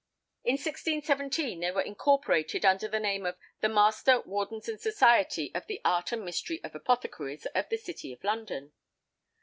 In 1617 they were incorporated under the name of "The Master, Wardens and Society of the Art and Mystery of Apothecaries of the City of London."